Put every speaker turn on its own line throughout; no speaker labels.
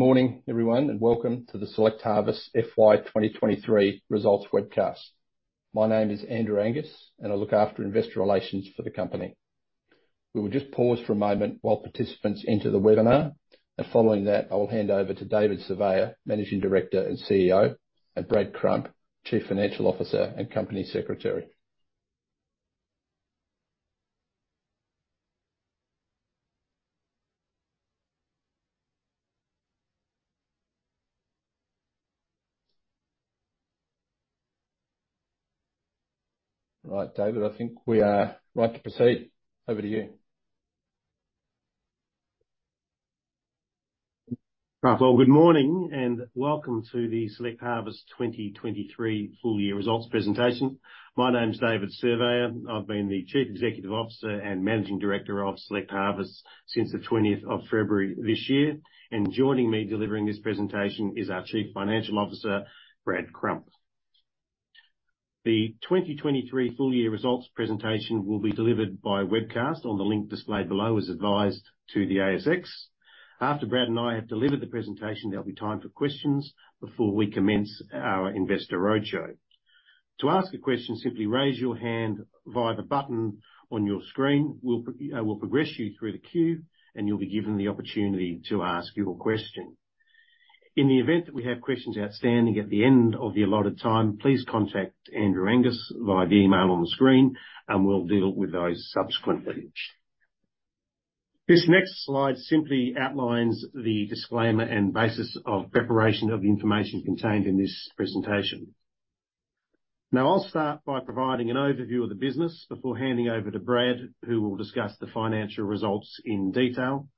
Good morning, everyone, and welcome to the Select Harvests FY 2023 results webcast. My name is Andrew Angus, and I look after investor relations for the company. We will just pause for a moment while participants enter the webinar, and following that, I will hand over to David Surveyor, Managing Director and CEO, and Brad Crump, Chief Financial Officer and Company Secretary. All right, David, I think we are right to proceed. Over to you.
Well, good morning, and welcome to the Select Harvests 2023 full year results presentation. My name is David Surveyor. I've been the Chief Executive Officer and Managing Director of Select Harvests since the 20th of February this year, and joining me delivering this presentation is our Chief Financial Officer, Brad Crump. The 2023 full year results presentation will be delivered by webcast on the link displayed below, as advised to the ASX. After Brad and I have delivered the presentation, there'll be time for questions before we commence our investor roadshow. To ask a question, simply raise your hand via the button on your screen. We'll progress you through the queue, and you'll be given the opportunity to ask your question. In the event that we have questions outstanding at the end of the allotted time, please contact Andrew Angus via the email on the screen, and we'll deal with those subsequently. This next slide simply outlines the disclaimer and basis of preparation of the information contained in this presentation. Now, I'll start by providing an overview of the business before handing over to Brad, who will discuss the financial results in detail.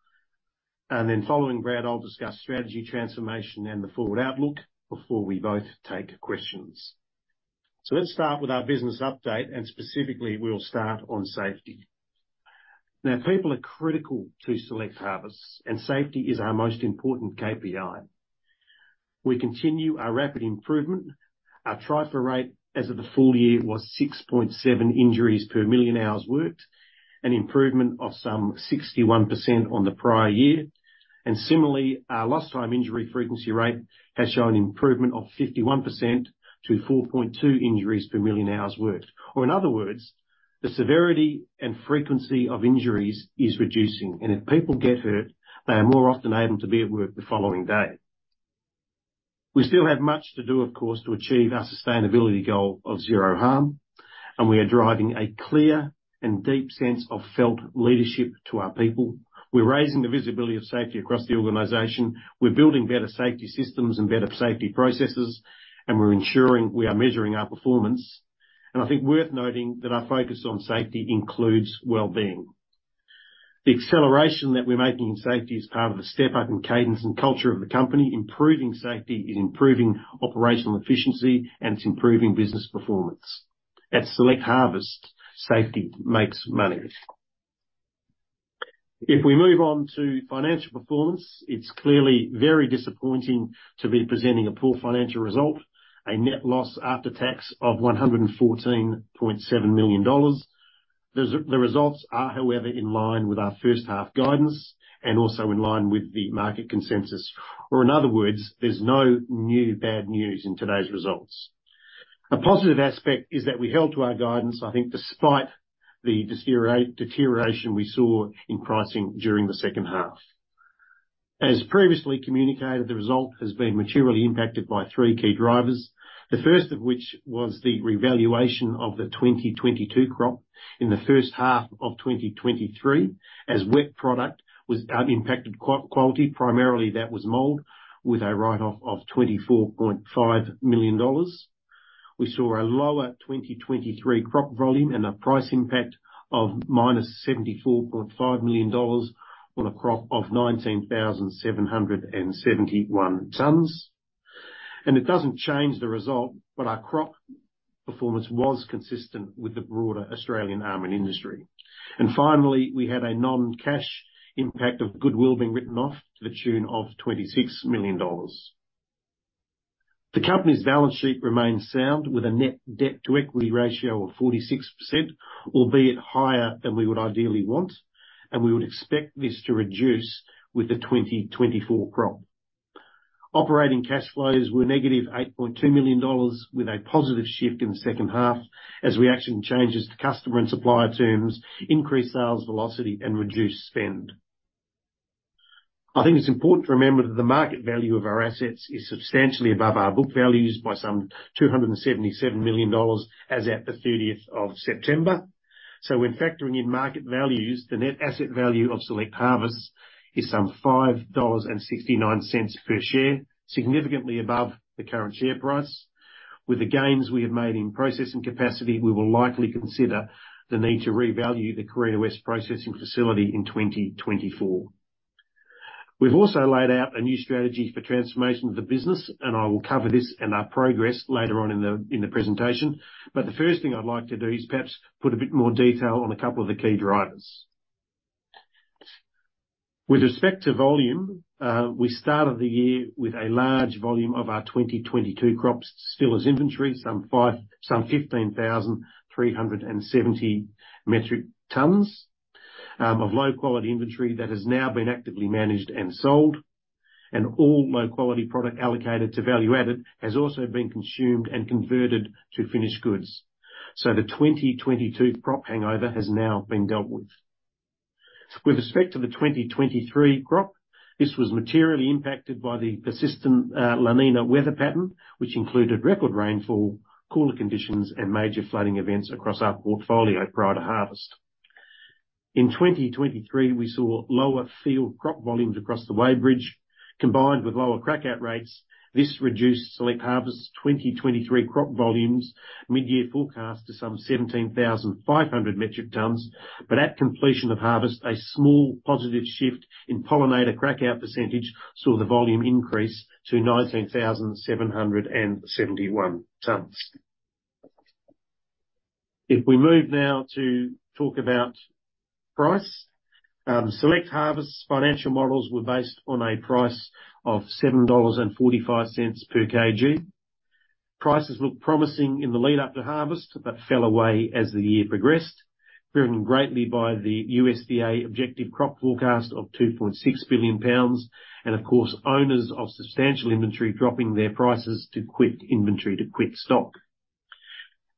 And then following Brad, I'll discuss strategy, transformation, and the forward outlook before we both take questions. So let's start with our business update, and specifically, we'll start on safety. Now, people are critical to Select Harvests, and safety is our most important KPI. We continue our rapid improvement. Our TRIFR rate as of the full year was 6.7 injuries per million hours worked, an improvement of some 61% on the prior year, and similarly, our lost time injury frequency rate has shown improvement of 51% to 4.2 injuries per million hours worked. Or in other words, the severity and frequency of injuries is reducing, and if people get hurt, they are more often able to be at work the following day. We still have much to do, of course, to achieve our sustainability goal of zero harm, and we are driving a clear and deep sense of felt leadership to our people. We're raising the visibility of safety across the organization. We're building better safety systems and better safety processes, and we're ensuring we are measuring our performance. And I think worth noting that our focus on safety includes well-being. The acceleration that we're making in safety is part of a step-up in cadence and culture of the company. Improving safety is improving operational efficiency, and it's improving business performance. At Select Harvests, safety makes money. If we move on to financial performance, it's clearly very disappointing to be presenting a poor financial result, a net loss after tax of $114.7 million. The results are, however, in line with our first half guidance and also in line with the market consensus, or in other words, there's no new bad news in today's results. A positive aspect is that we held to our guidance, I think, despite the deterioration we saw in pricing during the second half. As previously communicated, the result has been materially impacted by three key drivers, the first of which was the revaluation of the 2022 crop in the first half of 2023, as wet product was impacted quality, primarily that was mold, with a write-off of $24.5 million. We saw a lower 2023 crop volume and a price impact of -$74.5 million on a crop of 19,771 tons. And it doesn't change the result, but our crop performance was consistent with the broader Australian almond industry. And finally, we had a non-cash impact of goodwill being written off to the tune of $26 million. The company's balance sheet remains sound, with a net debt-to-equity ratio of 46%, albeit higher than we would ideally want, and we would expect this to reduce with the 2024 crop. Operating cash flows were -$8.2 million, with a positive shift in the second half as we actioned changes to customer and supplier terms, increased sales velocity, and reduced spend. I think it's important to remember that the market value of our assets is substantially above our book values by some $277 million as at the 30th of September. So when factoring in market values, the net asset value of Select Harvests is some $5.69 per share, significantly above the current share price. With the gains we have made in processing capacity, we will likely consider the need to revalue the Carina West processing facility in 2024. We've also laid out a new strategy for transformation of the business, and I will cover this and our progress later on in the presentation. But the first thing I'd like to do is perhaps put a bit more detail on a couple of the key drivers. With respect to volume, we started the year with a large volume of our 2022 crops still as inventory, some 15,300 metric tons of low-quality inventory that has now been actively managed and sold. And all low-quality product allocated to value-added has also been consumed and converted to finished goods. So the 2022 crop hangover has now been dealt with. With respect to the 2023 crop, this was materially impacted by the persistent La Niña weather pattern, which included record rainfall, cooler conditions, and major flooding events across our portfolio prior to harvest. In 2023, we saw lower field crop volumes across the board, combined with lower crack-out rates. This reduced Select Harvests' 2023 crop volumes, mid-year forecast to some 17,500 metric tons, but at completion of harvest, a small positive shift in pollinator crack-out percentage saw the volume increase to 19,771 tons. If we move now to talk about price, Select Harvests' financial models were based on a price of $7.45 per kg. Prices looked promising in the lead up to harvest, but fell away as the year progressed, driven greatly by the USDA objective crop forecast of 2.6 billion pounds, and of course, owners of substantial inventory dropping their prices to quit inventory, to quit stock.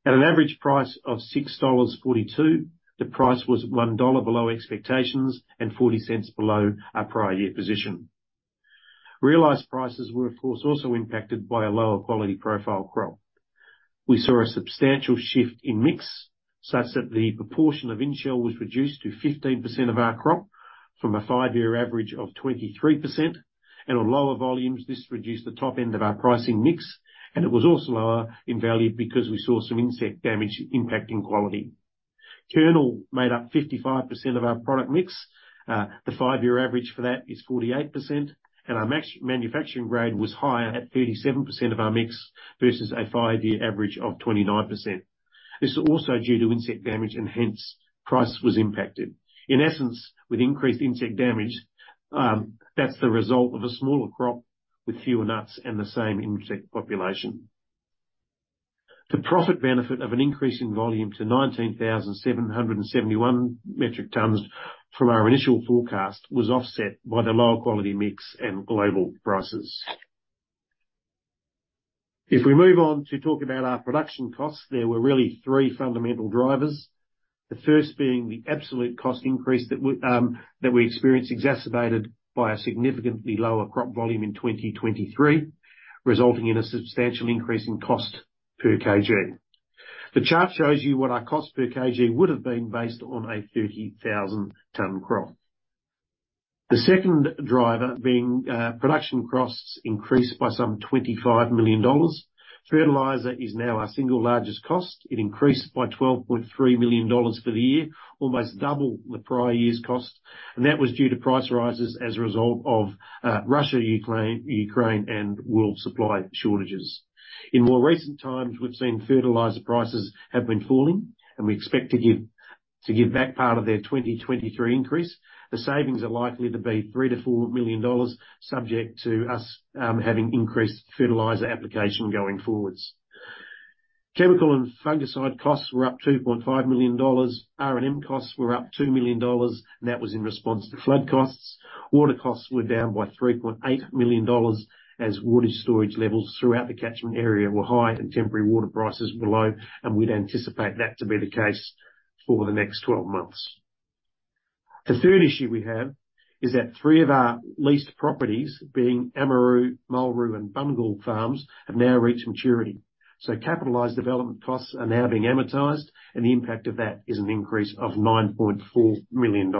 At an average price of $6.42, the price was $1 below expectations and 40 cents below our prior year position. Realized prices were, of course, also impacted by a lower quality profile crop. We saw a substantial shift in mix, such that the proportion of in-shell was reduced to 15% of our crop from a five year average of 23%, and on lower volumes, this reduced the top end of our pricing mix, and it was also lower in value because we saw some insect damage impacting quality. Kernel made up 55% of our product mix. The five-year average for that is 48%, and our manufacturing grade was higher at 37% of our mix, versus a five-year average of 29%. This is also due to insect damage, and hence price was impacted. In essence, with increased insect damage, that's the result of a smaller crop with fewer nuts and the same insect population. The profit benefit of an increase in volume to 19,771 metric tons from our initial forecast, was offset by the lower quality mix and global prices. If we move on to talk about our production costs, there were really three fundamental drivers. The first being the absolute cost increase that we experienced, exacerbated by a significantly lower crop volume in 2023, resulting in a substantial increase in cost per kg. The chart shows you what our cost per kg would have been based on a 30,000 ton crop. The second driver being, production costs increased by some $25 million. Fertilizer is now our single largest cost. It increased by $12.3 million for the year, almost double the prior year's costs, and that was due to price rises as a result of, Russia, Ukraine, and world supply shortages. In more recent times, we've seen fertilizer prices have been falling, and we expect to give back part of their 2023 increase. The savings are likely to be $3 million-$4 million, subject to us, having increased fertilizer application going forwards. Chemical and fungicide costs were up $2.5 million. R&M costs were up $2 million, and that was in response to flood costs. Water costs were down by $3.8 million, as water storage levels throughout the catchment area were high and temporary water prices were low, and we'd anticipate that to be the case for the next 12 months. The third issue we have is that three of our leased properties, being Amaroo, Mullroo, and Bungool farms, have now reached maturity. So capitalized development costs are now being amortized, and the impact of that is an increase of $9.4 million.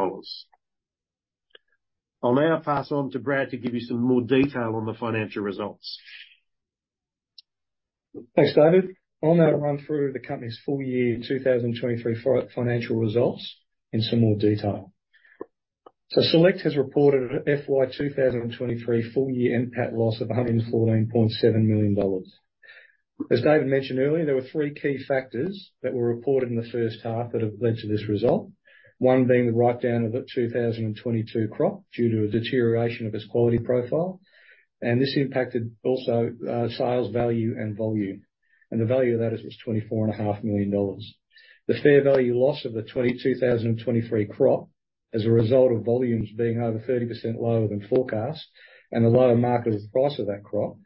I'll now pass on to Brad, to give you some more detail on the financial results.
Thanks, David. I'll now run through the company's full year 2023 financial results in some more detail. So Select has reported an FY 2023 full-year NPAT loss of $114.7 million. As David mentioned earlier, there were three key factors that were reported in the first half that have led to this result. One being the write-down of the 2022 crop, due to a deterioration of its quality profile. And this impacted also sales value and volume. And the value of that is, was $24.5 million. The fair value loss of the 2023 crop, as a result of volumes being over 30% lower than forecast, and the lower market price of that crop,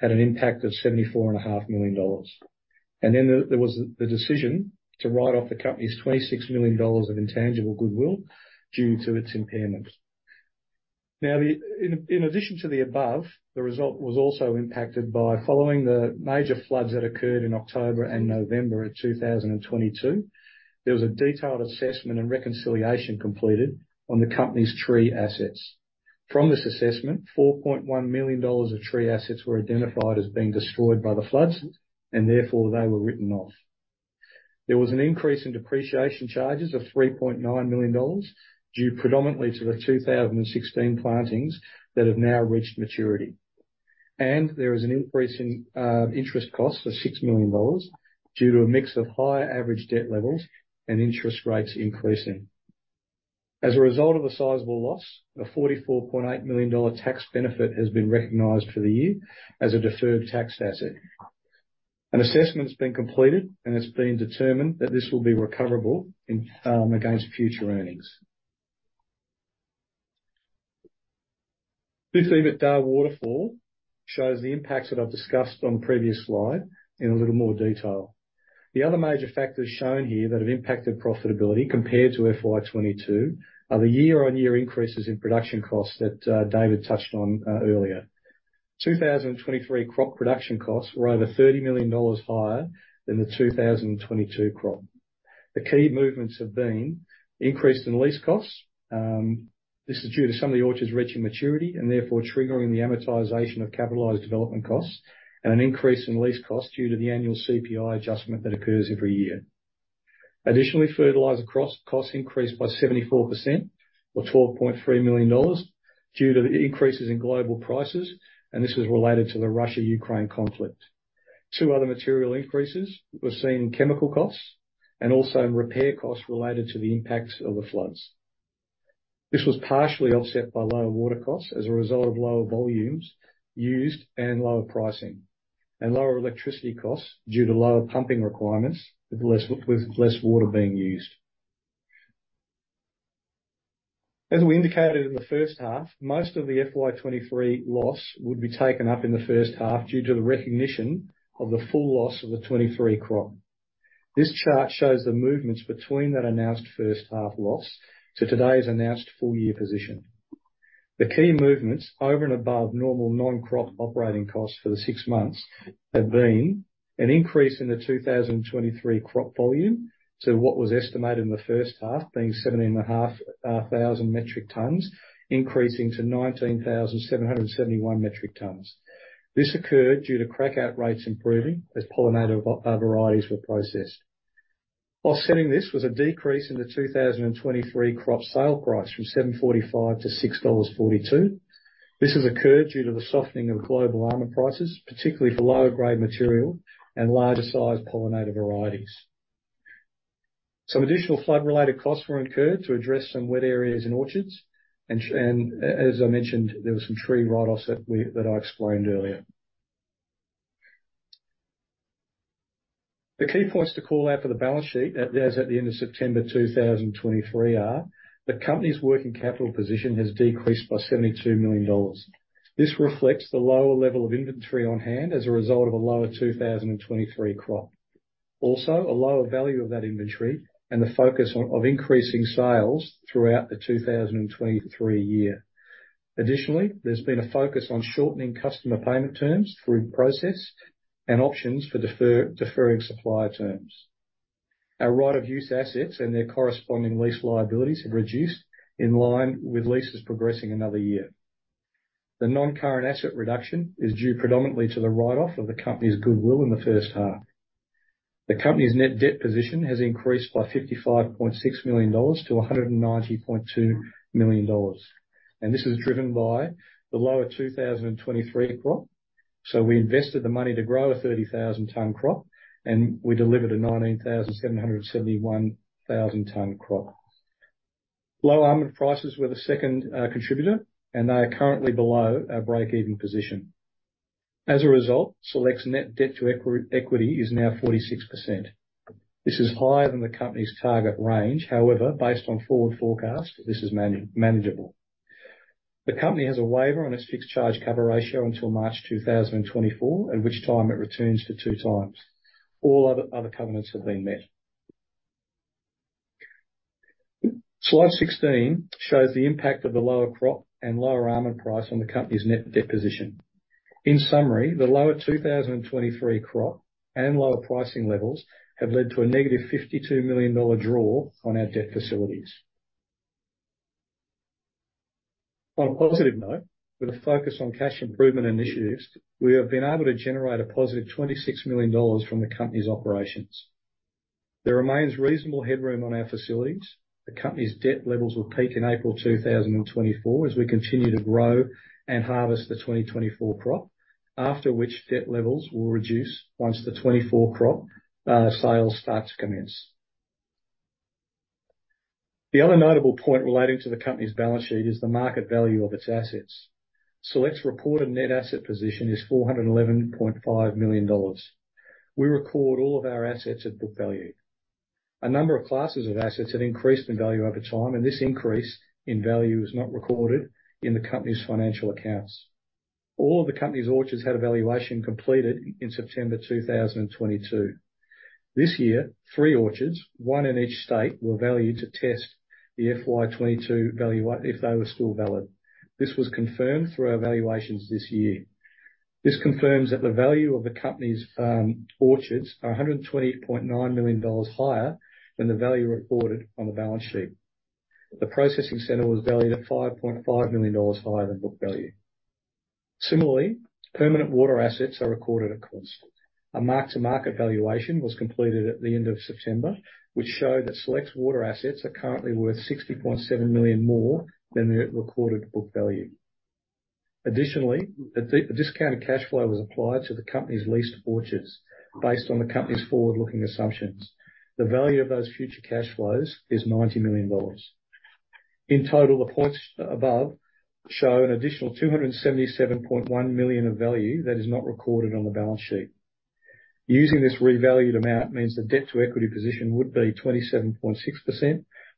had an impact of $74.5 million. There was the decision to write off the company's $26 million of intangible goodwill due to its impairment. Now, in addition to the above, the result was also impacted by following the major floods that occurred in October and November of 2022. There was a detailed assessment and reconciliation completed on the company's tree assets. From this assessment, $4.1 million of tree assets were identified as being destroyed by the floods, and therefore they were written off. There was an increase in depreciation charges of $3.9 million, due predominantly to the 2016 plantings that have now reached maturity. There was an increase in interest costs of $6 million, due to a mix of higher average debt levels and interest rates increasing. As a result of a sizable loss, a $44.8 million tax benefit has been recognized for the year as a deferred tax asset. An assessment's been completed, and it's been determined that this will be recoverable in against future earnings. This EBITDA waterfall shows the impacts that I've discussed on the previous slide in a little more detail. The other major factors shown here that have impacted profitability compared to FY 2022, are the year-on-year increases in production costs that, David touched on, earlier. 2023 crop production costs were over $30 million higher than the 2022 crop. The key movements have been: increase in lease costs. This is due to some of the orchards reaching maturity, and therefore triggering the amortization of capitalized development costs, and an increase in lease costs due to the annual CPI adjustment that occurs every year. Additionally, fertilizer cross-costs increased by 74% or $12.3 million due to the increases in global prices, and this was related to the Russia-Ukraine conflict. Two other material increases were seen in chemical costs and also in repair costs related to the impacts of the floods. This was partially offset by lower water costs as a result of lower volumes used and lower pricing, and lower electricity costs due to lower pumping requirements, with less water being used. As we indicated in the first half, most of the FY 2023 loss would be taken up in the first half due to the recognition of the full loss of the 2023 crop. This chart shows the movements between that announced first half loss to today's announced full year position. The key movements over and above normal non-crop operating costs for the six months have been an increase in the 2023 crop volume to what was estimated in the first half, being 17,500 metric tons, increasing to 19,771 metric tons. This occurred due to crack-out rates improving as pollinator varieties were processed. Offsetting this was a decrease in the 2023 crop sale price, from $7.45 to $6.42. This has occurred due to the softening of global almond prices, particularly for lower grade material and larger sized pollinator varieties. Some additional flood-related costs were incurred to address some wet areas in orchards, and as I mentioned, there were some tree write-offs that I explained earlier. The key points to call out for the balance sheet, as at the end of September 2023 are: The company's working capital position has decreased by $72 million. This reflects the lower level of inventory on hand as a result of a lower 2023 crop. Also, a lower value of that inventory and the focus on increasing sales throughout the 2023 year. Additionally, there's been a focus on shortening customer payment terms through process and options for deferring supplier terms. Our right of use assets and their corresponding lease liabilities have reduced in line with leases progressing another year. The non-current asset reduction is due predominantly to the write-off of the company's goodwill in the first half. The company's net debt position has increased by $55.6 million to $190.2 million, and this is driven by the lower 2023 crop. So we invested the money to grow a 30,000-ton crop, and we delivered a 19,771-ton crop. Low almond prices were the second contributor, and they are currently below our breakeven position. As a result, Select's net debt-to-equity is now 46%. This is higher than the company's target range. However, based on forward forecast, this is manageable. The company has a waiver on its fixed charge cover ratio until March 2024, at which time it returns to two times. All other covenants have been met. Slide 16 shows the impact of the lower crop and lower almond price on the company's net debt position. In summary, the lower 2023 crop and lower pricing levels have led to a negative $52 million draw on our debt facilities. On a positive note, with a focus on cash improvement initiatives, we have been able to generate a positive $26 million from the company's operations. There remains reasonable headroom on our facilities. The company's debt levels will peak in April 2024 as we continue to grow and harvest the 2024 crop, after which debt levels will reduce once the 2024 crop sales start to commence. The other notable point relating to the company's balance sheet is the market value of its assets. Select's reported net asset position is $411.5 million. We record all of our assets at book value. A number of classes of assets have increased in value over time, and this increase in value is not recorded in the company's financial accounts. All the company's orchards had a valuation completed in September 2022. This year, three orchards, one in each state, were valued to test the FY 2022 valuation if they were still valid. This was confirmed through our valuations this year. This confirms that the value of the company's orchards are $120.9 million higher than the value reported on the balance sheet. The processing center was valued at $5.5 million higher than book value. Similarly, permanent water assets are recorded at cost. A mark-to-market valuation was completed at the end of September, which showed that Select's water assets are currently worth $60.7 million more than the recorded book value. Additionally, a discounted cash flow was applied to the company's leased orchards, based on the company's forward-looking assumptions. The value of those future cash flows is $90 million. In total, the points above show an additional $277.1 million of value that is not recorded on the balance sheet. Using this revalued amount means the debt to equity position would be 27.6%,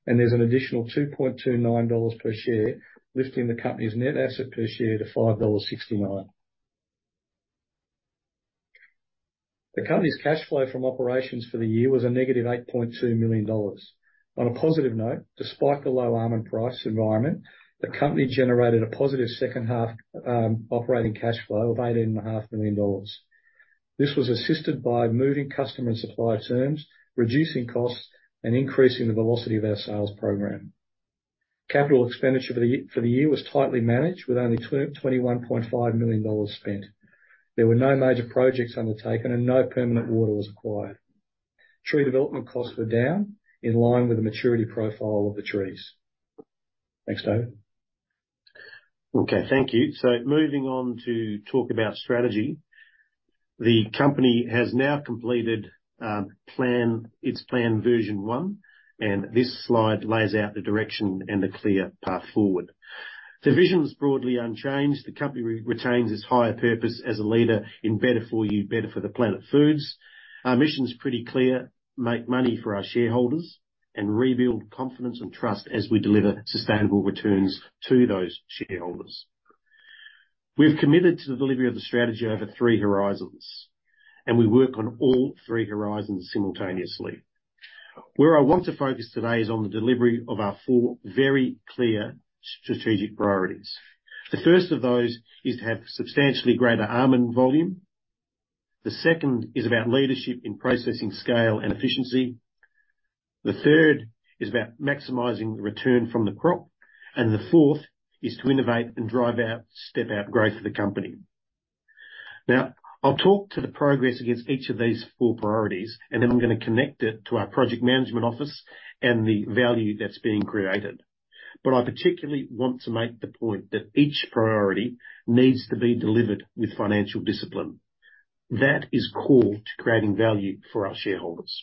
and there's an additional $2.29 per share, lifting the company's net asset per share to $5.69. The company's cash flow from operations for the year was -$8.2 million. On a positive note, despite the low almond price environment, the company generated a positive second half operating cash flow of $18.5 million. This was assisted by moving customer and supplier terms, reducing costs, and increasing the velocity of our sales program. Capital expenditure for the year was tightly managed with only $21.5 million spent. There were no major projects undertaken and no permanent water was acquired. Tree development costs were down in line with the maturity profile of the trees. Thanks, David.
Okay, thank you. So moving on to talk about strategy. The company has now completed its plan version one, and this slide lays out the direction and the clear path forward. The vision is broadly unchanged. The company retains its higher purpose as a leader in better for you, better for the planet foods. Our mission is pretty clear: Make money for our shareholders and rebuild confidence and trust as we deliver sustainable returns to those shareholders. We've committed to the delivery of the strategy over three horizons, and we work on all three horizons simultaneously. Where I want to focus today is on the delivery of our four very clear strategic priorities. The first of those is to have substantially greater almond volume. The second is about leadership in processing, scale, and efficiency. The third is about maximizing the return from the crop, and the fourth is to innovate and drive out, step out growth of the company. Now, I'll talk to the progress against each of these four priorities, and then I'm going to connect it to our project management office and the value that's being created. But I particularly want to make the point that each priority needs to be delivered with financial discipline. That is core to creating value for our shareholders.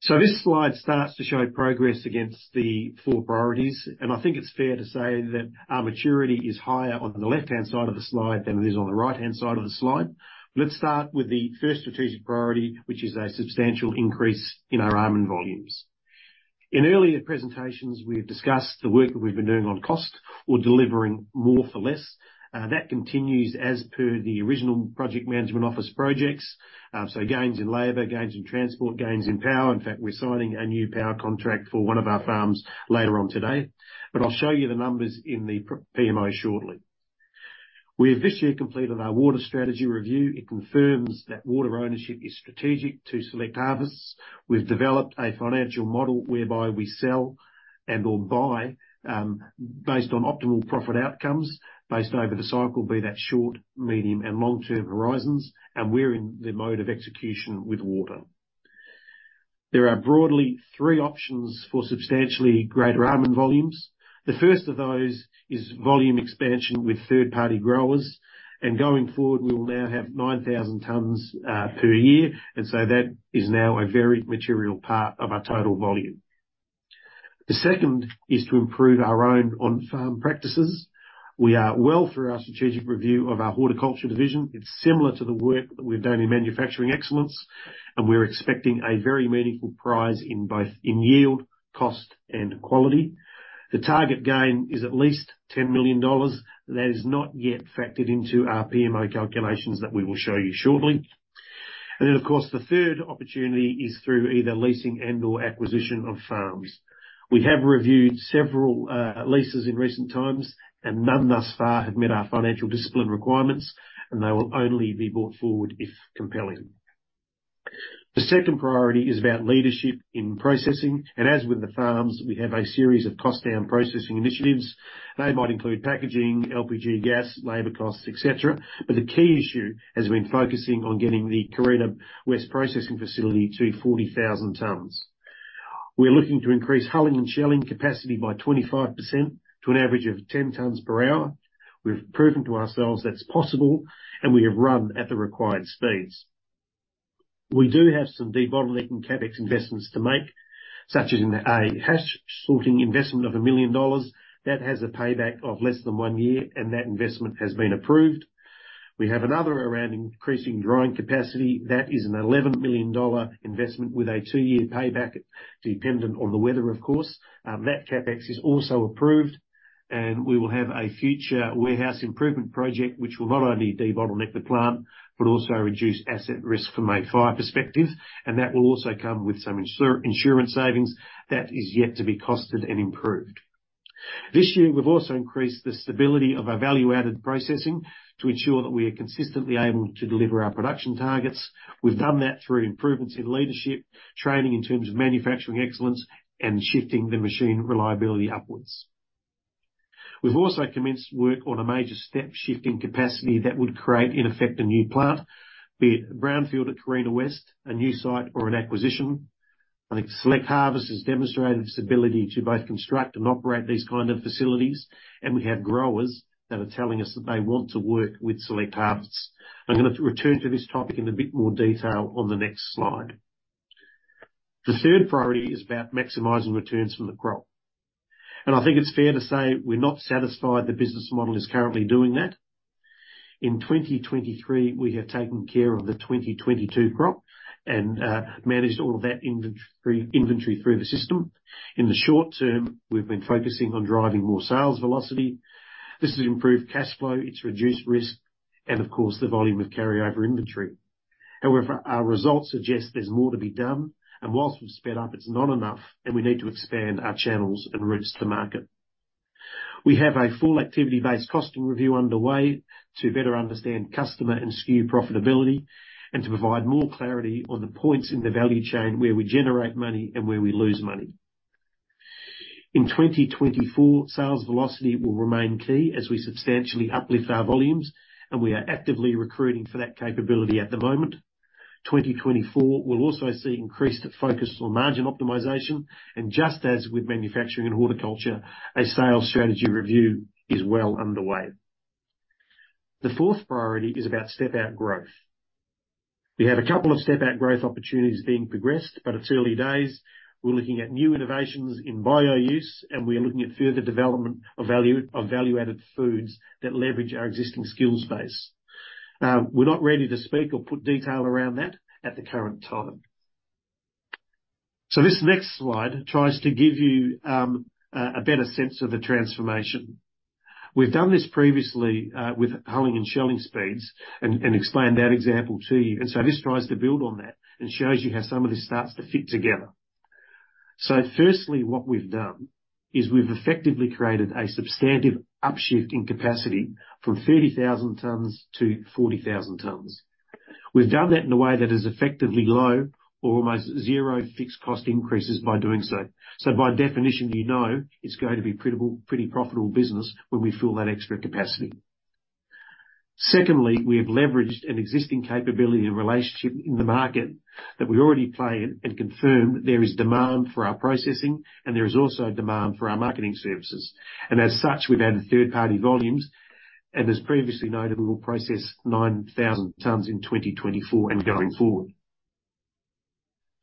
So this slide starts to show progress against the four priorities, and I think it's fair to say that our maturity is higher on the left-hand side of the slide than it is on the right-hand side of the slide. Let's start with the first strategic priority, which is a substantial increase in our almond volumes. In earlier presentations, we've discussed the work that we've been doing on cost or delivering more for less. That continues as per the original project management office projects. So gains in labor, gains in transport, gains in power. In fact, we're signing a new power contract for one of our farms later on today, but I'll show you the numbers in the PMO shortly. We have this year completed our water strategy review. It confirms that water ownership is strategic to Select Harvests. We've developed a financial model whereby we sell and or buy, based on optimal profit outcomes, based over the cycle, be that short, medium, and long-term horizons, and we're in the mode of execution with water. There are broadly three options for substantially greater almond volumes. The first of those is volume expansion with third-party growers, and going forward, we will now have 9,000 tonnes per year, and so that is now a very material part of our total volume. The second is to improve our own on-farm practices. We are well through our strategic review of our horticulture division. It's similar to the work that we've done in manufacturing excellence, and we're expecting a very meaningful upside in both yield, cost, and quality. The target gain is at least $10 million. That is not yet factored into our PMO calculations that we will show you shortly. And then, of course, the third opportunity is through either leasing and/or acquisition of farms. We have reviewed several leases in recent times, and none thus far have met our financial discipline requirements, and they will only be brought forward if compelling. The second priority is about leadership in processing, and as with the farms, we have a series of cost-down processing initiatives. They might include packaging, LPG gas, labor costs, et cetera, but the key issue has been focusing on getting the Carina West processing facility to 40,000 tonnes. We're looking to increase hulling and shelling capacity by 25% to an average of 10 tonnes per hour. We've proven to ourselves that's possible, and we have run at the required speeds. We do have some debottlenecking CapEx investments to make, such as in a hash sorting investment of $1 million. That has a payback of less than 1 year, and that investment has been approved. We have another around increasing drying capacity that is an $11 million investment with a 2-year payback, dependent on the weather, of course. That CapEx is also approved, and we will have a future warehouse improvement project, which will not only debottleneck the plant, but also reduce asset risk from a fire perspective, and that will also come with some insurance savings that is yet to be costed and improved. This year, we've also increased the stability of our value-added processing to ensure that we are consistently able to deliver our production targets. We've done that through improvements in leadership, training in terms of manufacturing excellence, and shifting the machine reliability upwards. We've also commenced work on a major step shift in capacity that would create, in effect, a new plant, be it brownfield at Carina West, a new site, or an acquisition. I think Select Harvests has demonstrated its ability to both construct and operate these kind of facilities, and we have growers that are telling us that they want to work with Select Harvests. I'm going to return to this topic in a bit more detail on the next slide. The third priority is about maximizing returns from the crop. I think it's fair to say we're not satisfied the business model is currently doing that. In 2023, we have taken care of the 2022 crop and managed all of that inventory through the system. In the short term, we've been focusing on driving more sales velocity. This has improved cash flow, it's reduced risk, and of course, the volume of carryover inventory. However, our results suggest there's more to be done, and whilst we've sped up, it's not enough, and we need to expand our channels and routes to market. We have a full activity-based costing review underway to better understand customer and SKU profitability, and to provide more clarity on the points in the value chain where we generate money and where we lose money. In 2024, sales velocity will remain key as we substantially uplift our volumes, and we are actively recruiting for that capability at the moment. 2024, we'll also see increased focus on margin optimization, and just as with manufacturing and horticulture, a sales strategy review is well underway. The fourth priority is about step-out growth. We have a couple of step-out growth opportunities being progressed, but it's early days. We're looking at new innovations in bio use, and we are looking at further development of value, of value-added foods that leverage our existing skills base. We're not ready to speak or put detail around that at the current time. So this next slide tries to give you a better sense of the transformation. We've done this previously with hulling and shelling speeds and explained that example to you. And so this tries to build on that and shows you how some of this starts to fit together. So firstly, what we've done is we've effectively created a substantive upshift in capacity from 30,000 tons to 40,000 tons. We've done that in a way that is effectively low or almost zero fixed cost increases by doing so. So by definition, you know it's going to be pretty- pretty profitable business when we fill that extra capacity. Secondly, we have leveraged an existing capability and relationship in the market that we already play and, and confirm there is demand for our processing, and there is also demand for our marketing services. And as such, we've added third-party volumes, and as previously noted, we will process 9,000 tons in 2024 and going forward.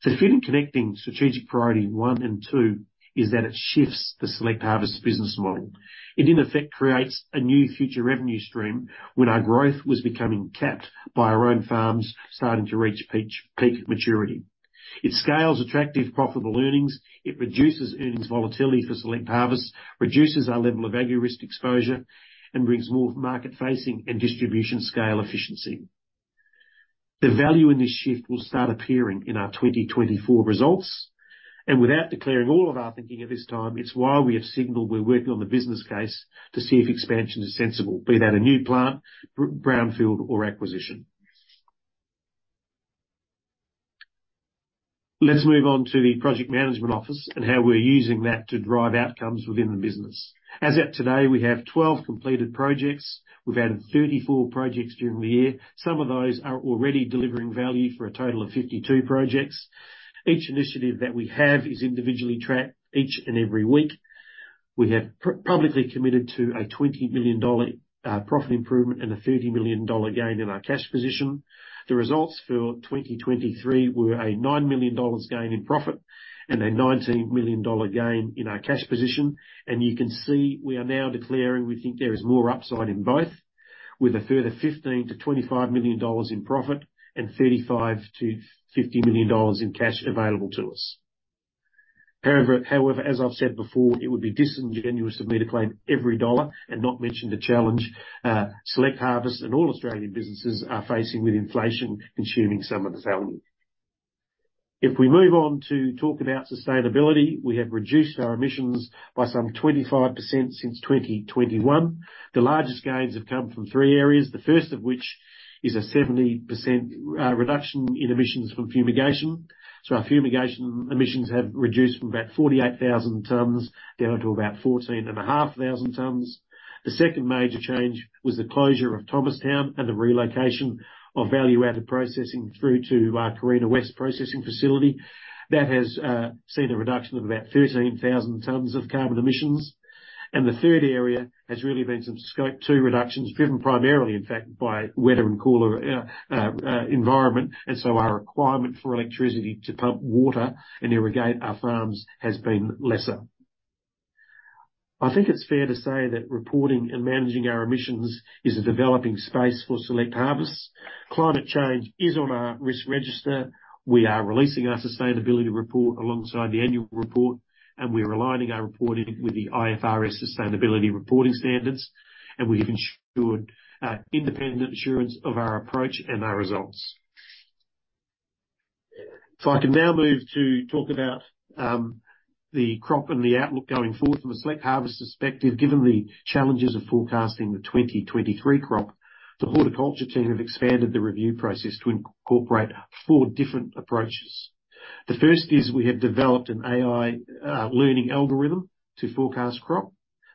The third connecting strategic priority, one and two, is that it shifts the Select Harvests business model. It, in effect, creates a new future revenue stream when our growth was becoming capped by our own farms starting to reach peak maturity. It scales attractive, profitable earnings, it reduces earnings volatility for Select Harvests, reduces our level of agri risk exposure, and brings more market-facing and distribution scale efficiency. The value in this shift will start appearing in our 2024 results, and without declaring all of our thinking at this time, it's why we have signaled we're working on the business case to see if expansion is sensible, be that a new plant, brownfield, or acquisition. Let's move on to the project management office and how we're using that to drive outcomes within the business. As at today, we have 12 completed projects. We've added 34 projects during the year. Some of those are already delivering value for a total of 52 projects. Each initiative that we have is individually tracked each and every week. We have publicly committed to an $20 million profit improvement and an $30 million gain in our cash position. The results for 2023 were a $9 million gain in profit and a $19 million gain in our cash position, and you can see we are now declaring we think there is more upside in both, with a further $15 million-$25 million in profit and $35 million-$50 million in cash available to us. However, however, as I've said before, it would be disingenuous of me to claim every dollar and not mention the challenge Select Harvests and all Australian businesses are facing with inflation, consuming some of this revenue. If we move on to talk about sustainability, we have reduced our emissions by some 25% since 2021. The largest gains have come from three areas, the first of which is a 70% reduction in emissions from fumigation. So our fumigation emissions have reduced from about 48,000 tons down to about 14,500 tons. The second major change was the closure of Thomastown and the relocation of value-added processing through to our Carina West processing facility. That has seen a reduction of about 13,000 tons of carbon emissions. And the third area has really been some scope two reductions, driven primarily, in fact, by wetter and cooler environment, and so our requirement for electricity to pump water and irrigate our farms has been lesser. I think it's fair to say that reporting and managing our emissions is a developing space for Select Harvests. Climate change is on our risk register. We are releasing our sustainability report alongside the annual report, and we're aligning our reporting with the IFRS sustainability reporting standards, and we've ensured independent assurance of our approach and our results. So I can now move to talk about the crop and the outlook going forward from a Select Harvests perspective. Given the challenges of forecasting the 2023 crop, the horticulture team have expanded the review process to incorporate four different approaches. The first is we have developed an AI learning algorithm to forecast crop.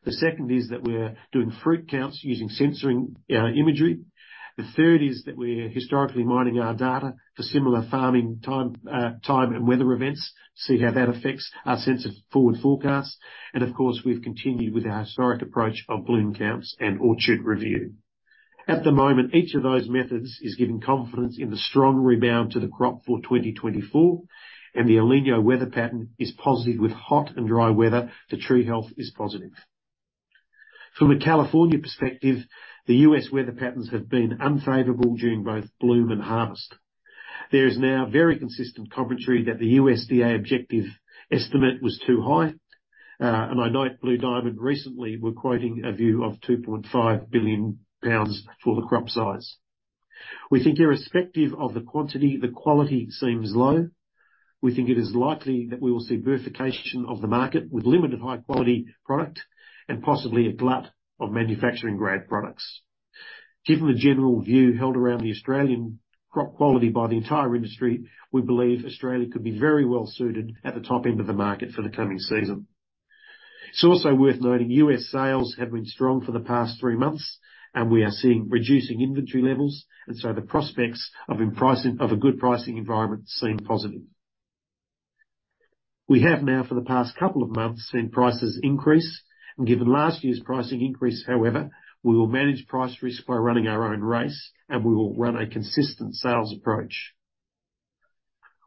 The second is that we're doing fruit counts using sensing imagery. The third is that we're historically mining our data for similar farming time and weather events to see how that affects our sense of forward forecast. And of course, we've continued with our historic approach of bloom counts and orchard review. At the moment, each of those methods is giving confidence in the strong rebound to the crop for 2024, and the El Niño weather pattern is positive. With hot and dry weather, the tree health is positive. From a California perspective, the U.S. weather patterns have been unfavorable during both bloom and harvest. There is now very consistent commentary that the USDA objective estimate was too high, and I note Blue Diamond recently were quoting a view of 2.5 billion pounds for the crop size. We think irrespective of the quantity, the quality seems low. We think it is likely that we will see verification of the market with limited high quality product and possibly a glut of manufacturing-grade products. Given the general view held around the Australian crop quality by the entire industry, we believe Australia could be very well suited at the top end of the market for the coming season. It's also worth noting, U.S. sales have been strong for the past three months, and we are seeing reducing inventory levels, and so the prospects of a good pricing environment seem positive. We have now, for the past couple of months, seen prices increase and given last year's pricing increase however, we will manage price risk by running our own race, and we will run a consistent sales approach.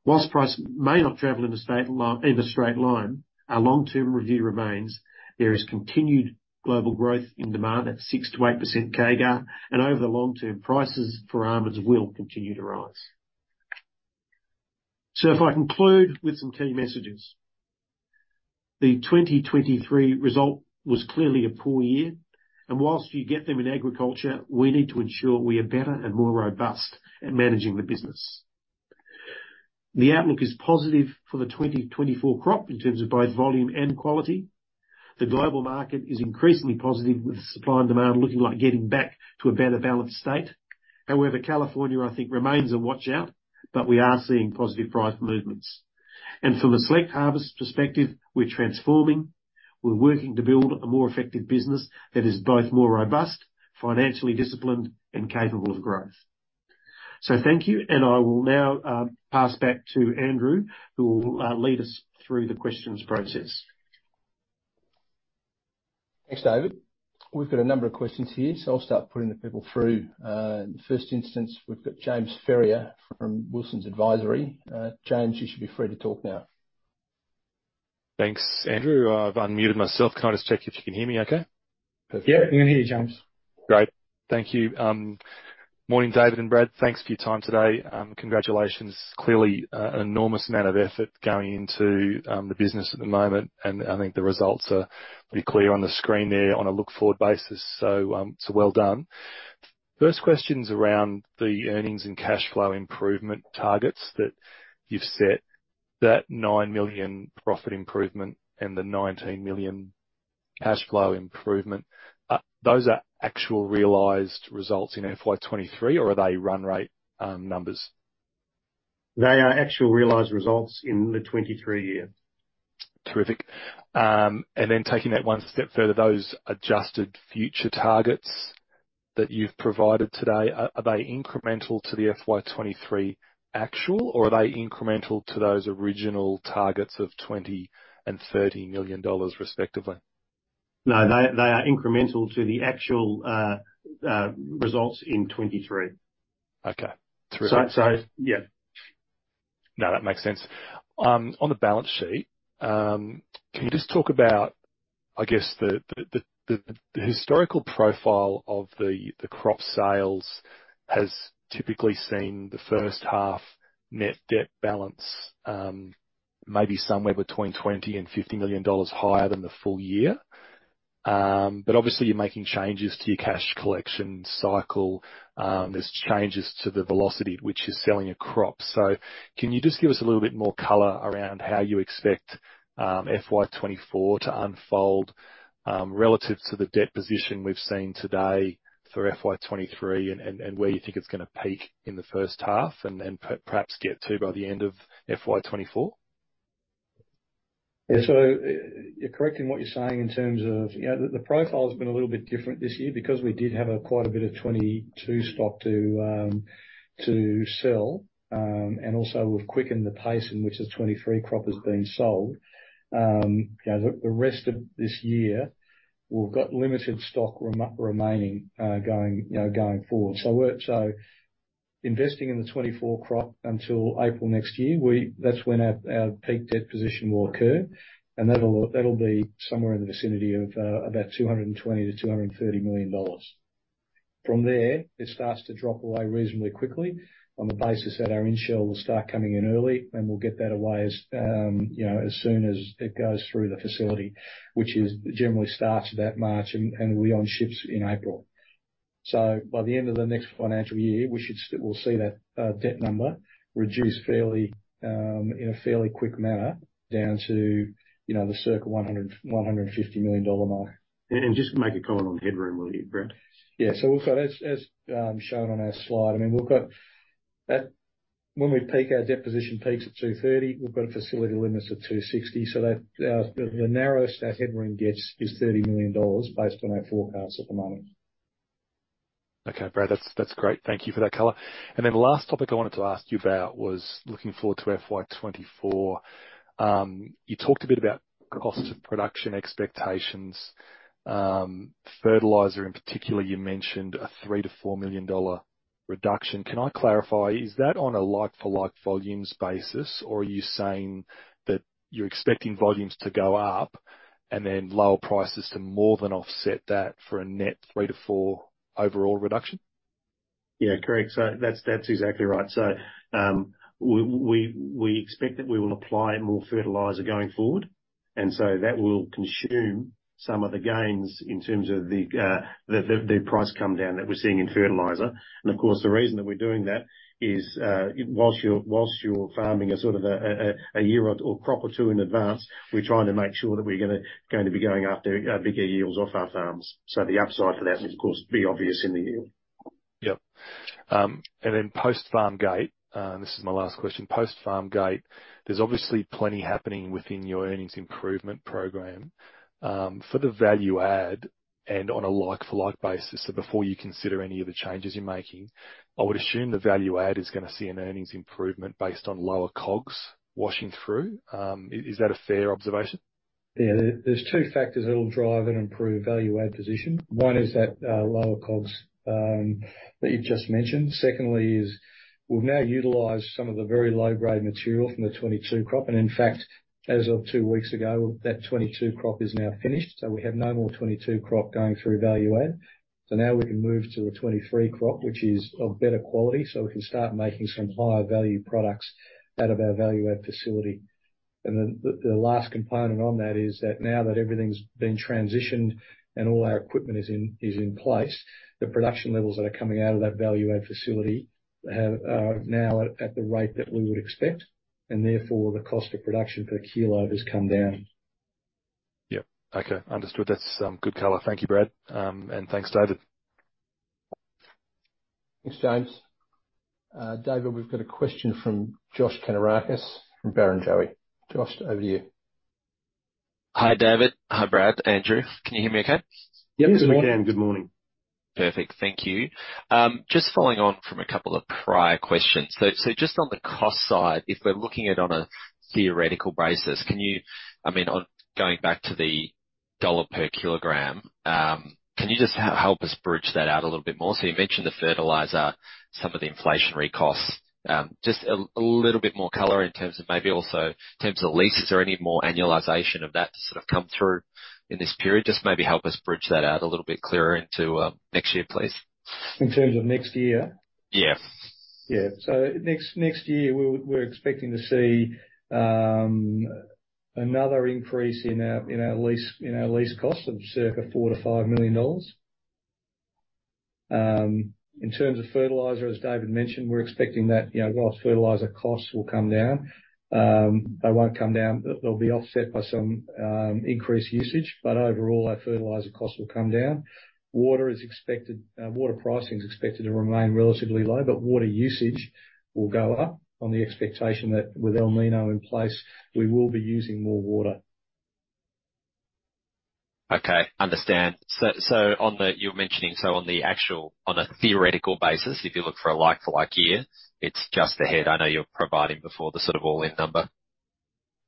While price may not travel in a straight line, our long-term view remains: there is continued global growth in demand at 6%-8% CAGR, and over the long term, prices for almonds will continue to rise. So if I conclude with some key messages. The 2023 result was clearly a poor year, and while you get them in agriculture, we need to ensure we are better and more robust at managing the business. The outlook is positive for the 2024 crop in terms of both volume and quality. The global market is increasingly positive, with supply and demand looking like getting back to a better balanced state. However, California, I think, remains a watch-out, but we are seeing positive price movements. And from a Select Harvests perspective, we're transforming. We're working to build a more effective business that is both more robust, financially disciplined, and capable of growth. So thank you, and I will now, pass back to Andrew, who will, lead us through the questions process.
Thanks, David. We've got a number of questions here, so I'll start putting the people through. In the first instance, we've got James Ferrier from Wilsons Advisory. James, you should be free to talk now.
Thanks, Andrew. I've unmuted myself. Can I just check if you can hear me okay?
Yeah, we can hear you, James.
Great. Thank you. Morning, David and Brad. Thanks for your time today. Congratulations. Clearly, an enormous amount of effort going into the business at the moment, and I think the results are pretty clear on the screen there on a look-forward basis. So, so well done. First question's around the earnings and cash flow improvement targets that you've set. That $9 million profit improvement and the$19 million cash flow improvement, those are actual realized results in FY 2023, or are they run rate numbers?
They are actual realized results in the 2023 year.
Terrific. And then taking that one step further, those adjusted future targets that you've provided today, are they incremental to the FY 2023 actual, or are they incremental to those original targets of $20 million and $30 million, respectively?
No, they are incremental to the actual results in 2023.
Okay. Terrific.
So, so yeah.
No, that makes sense. On the balance sheet, can you just talk about, I guess, the historical profile of the crop sales has typically seen the first half net debt balance, maybe somewhere between $20 million and $50 million higher than the full year. But obviously, you're making changes to your cash collection cycle, there's changes to the velocity at which you're selling a crop. So can you just give us a little bit more color around how you expect FY 2024 to unfold, relative to the debt position we've seen today for FY 2023, and where you think it's gonna peak in the first half and perhaps get to by the end of FY 2024?
Yeah. So you're correct in what you're saying in terms of, you know, the, the profile has been a little bit different this year because we did have quite a bit of 2022 stock to sell. And also, we've quickened the pace in which the 2023 crop has been sold. You know, the rest of this year, we've got limited stock remaining, going, you know, going forward. So investing in the 2024 crop until April next year, that's when our peak debt position will occur, and that'll be somewhere in the vicinity of about $220 million-$230 million. From there, it starts to drop away reasonably quickly on the basis that our in-shell will start coming in early, and we'll get that away as, you know, as soon as it goes through the facility, which generally starts about March, and we're on ships in April. So by the end of the next financial year, we'll see that debt number reduce fairly in a fairly quick manner, down to, you know, the circa $100 million-$150 million mark.
Just to make a comment on headroom, will you, Brad?
Yeah. So we've got, as shown on our slide, I mean, we've got. When we peak, our debt position peaks at $230 million, we've got a facility limits of $260 million, so that the narrowest that headroom gets is $30 million based on our forecast at the moment.
Okay, Brad, that's, that's great. Thank you for that color. And then the last topic I wanted to ask you about was looking forward to FY 2024. You talked a bit about cost of production expectations. Fertilizer, in particular, you mentioned a $3 million-$4 million reduction, can I clarify, is that on a like-for-like volumes basis, or are you saying that you're expecting volumes to go up and then lower prices to more than offset that for a net three-four overall reduction?
Yeah, correct. So that's, that's exactly right. So, we expect that we will apply more fertilizer going forward, and so that will consume some of the gains in terms of the price come down that we're seeing in fertilizer. And of course, the reason that we're doing that is, whilst you're farming a sort of a year or crop or two in advance, we're trying to make sure that we're going to be going after bigger yields off our farms. So the upside for that is, of course, be obvious in the end.
Yep. And then post-farm gate, this is my last question. Post-farm gate, there's obviously plenty happening within your earnings improvement program. For the value add and on a like-for-like basis, so before you consider any of the changes you're making, I would assume the value add is gonna see an earnings improvement based on lower COGS washing through. Is that a fair observation?
Yeah. There, there's two factors that will drive and improve value add position. One is that lower COGS that you've just mentioned. Secondly is, we'll now utilize some of the very low-grade material from the 2022 crop. And in fact, as of two weeks ago, that 2022 crop is now finished, so we have no more 2022 crop going through value add. So now we can move to a 2023 crop, which is of better quality, so we can start making some higher value products out of our value add facility. And then the last component on that is that now that everything's been transitioned and all our equipment is in place, the production levels that are coming out of that value add facility are now at the rate that we would expect, and therefore, the cost of production per kg has come down.
Yep. Okay, understood. That's good color. Thank you, Brad. And thanks, David.
Thanks, James. David, we've got a question from Josh Kannourakis from Barrenjoey. Josh, over to you.
Hi, David. Hi, Brad, Andrew. Can you hear me okay?
Yep, we can.
Yes, good morning.
Good morning. Perfect. Thank you. Just following on from a couple of prior questions. So, just on the cost side, if we're looking at on a theoretical basis, I mean, on going back to the dollar per kg, can you just help us bridge that out a little bit more? So you mentioned the fertilizer, some of the inflationary costs. Just a little bit more color in terms of, maybe also in terms of the lease, is there any more annualization of that to sort of come through in this period? Just maybe help us bridge that out a little bit clearer into next year, please.
In terms of next year?
Yeah.
Yeah. So next year, we're expecting to see another increase in our lease costs of circa $4 million-$5 million. In terms of fertilizer, as David mentioned, we're expecting that, you know, while fertilizer costs will come down, they won't come down. They'll be offset by some increased usage, but overall, our fertilizer costs will come down. Water pricing is expected to remain relatively low, but water usage will go up on the expectation that with El Niño in place, we will be using more water.
Okay, understand. So on the you're mentioning, so on the actual, on a theoretical basis, if you look for a like-for-like year, it's just ahead. I know you're providing before the sort of all-in number.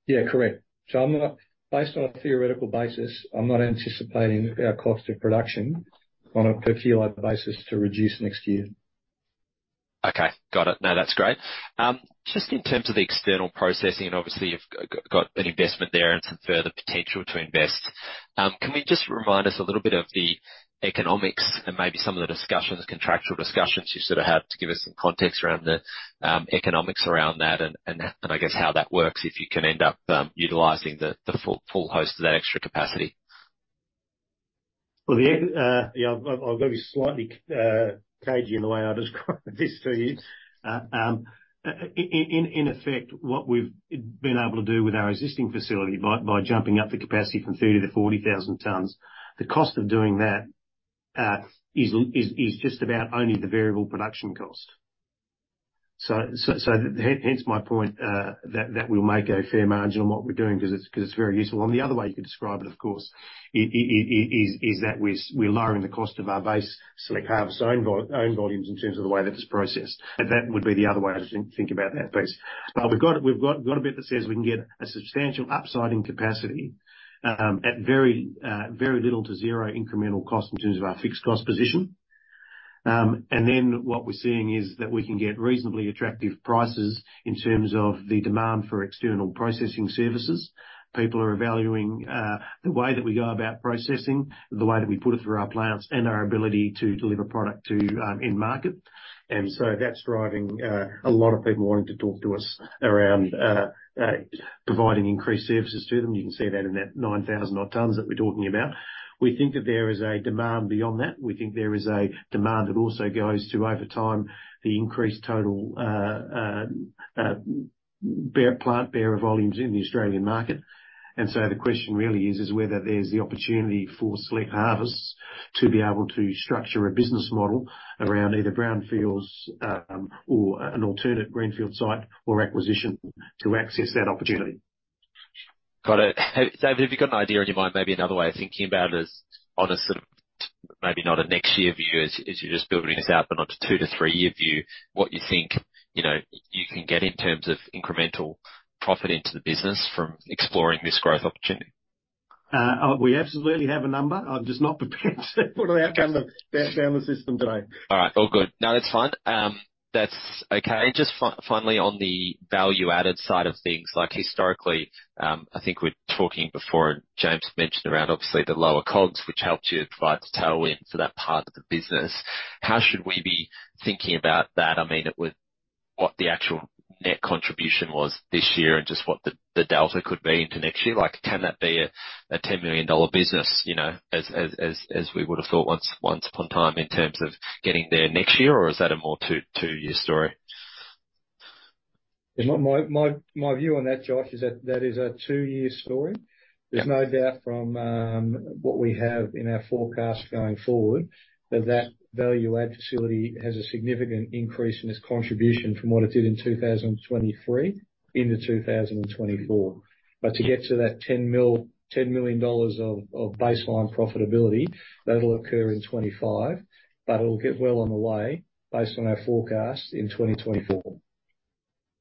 Yeah, correct. So based on a theoretical basis, I'm not anticipating our cost of production on a per kg basis to reduce next year.
Okay, got it. No, that's great. Just in terms of the external processing, and obviously you've got an investment there and some further potential to invest, can we just remind us a little bit of the economics and maybe some of the discussions, contractual discussions you sort of had, to give us some context around the economics around that, and, and, and I guess how that works if you can end up utilizing the full host of that extra capacity?
Well, yeah, I'll be slightly cagey in the way I describe this to you. In effect, what we've been able to do with our existing facility by jumping up the capacity from 30,000 to 40,000 tons, the cost of doing that is just about only the variable production cost. So hence my point that we'll make a fair margin on what we're doing, 'cause it's very useful. And the other way you could describe it, of course, is that we're lowering the cost of our base, Select Harvests own volumes, in terms of the way that it's processed. But that would be the other way to think about that piece. But we've got a bit that says we can get a substantial upside in capacity, at very, very little to zero incremental cost in terms of our fixed cost position. And then what we're seeing is that we can get reasonably attractive prices in terms of the demand for external processing services. People are valuing the way that we go about processing, the way that we put it through our plants, and our ability to deliver product to end market. And so that's driving a lot of people wanting to talk to us around providing increased services to them. You can see that in that 9,000-odd tons that we're talking about. We think that there is a demand beyond that. We think there is a demand that also goes to, over time, the increased total, bearing plant bearer volumes in the Australian market. And so the question really is, is whether there's the opportunity for Select Harvests to be able to structure a business model around either brownfields, or an alternate greenfield site, or acquisition, to access that opportunity.
Got it. David, have you got an idea in your mind, maybe another way of thinking about it, as on a sort of, maybe not a next year view, as, as you're just building this out, but on a 2-3-year view, what you think, you know, you can get in terms of incremental profit into the business from exploring this growth opportunity?
We absolutely have a number. I'm just not prepared to put it out down the system today.
All right. All good. No, that's fine. That's okay. Just finally, on the value-added side of things, like historically, I think we're talking before, and James mentioned around obviously the lower COGS, which helped you provide some tailwind for that part of the business. How should we be thinking about that? I mean, what the actual net contribution was this year, and just what the delta could be into next year? Like, can that be a $10 million business, you know, as we would have thought once upon a time, in terms of getting there next year? Or is that a more two-year story?
Yeah. My, my, my view on that, Josh, is that that is a two-year story. There's no doubt from what we have in our forecast going forward, that that value add facility has a significant increase in its contribution from what it did in 2023 into 2024. But to get to that $10 million of baseline profitability, that'll occur in 2025, but it'll get well on the way, based on our forecast, in 2024.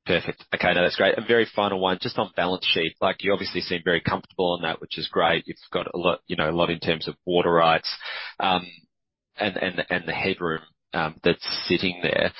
Perfect. Okay. No, that's great. And very final one, just on balance sheet, like, you obviously seem very comfortable on that, which is great. You've got a lot, you know, a lot in terms of water rights, and the headroom that's sitting there.